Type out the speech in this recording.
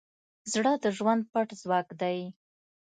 زړه د ژوند پټ ځواک دی.